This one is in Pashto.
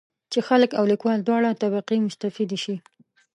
چې خلک او لیکوال دواړه طبقې مستفیدې شي.